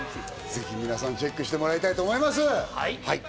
ぜひ皆さん、チェックしてもらいたいと思います。